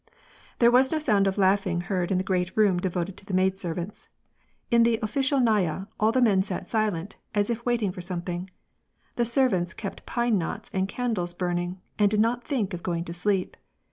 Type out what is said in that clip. There was no sound of laughing heard in the great room devoted to the maidservants. In the officialnaya all the men sat silent, as if awaiting something. The servants kept pine knots and candles burning, and did not think of going to sleep.